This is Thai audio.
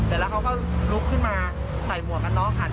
แต่แล้วเขาก็ลุกขึ้นมาใส่หมวกับน้องหัน